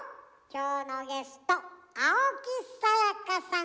今日のゲスト青木さやかさん